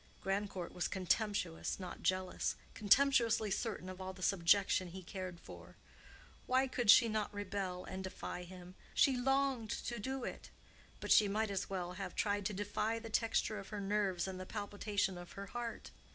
Grandcourt was contemptuous, not jealous; contemptuously certain of all the subjection he cared for. Why could she not rebel and defy him? She longed to do it. But she might as well have tried to defy the texture of her nerves and the palpitation of her heart.